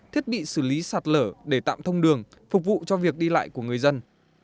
thiết bị xử lý sạt lở để tạm thông đường phục vụ cho việc đi lại của người dân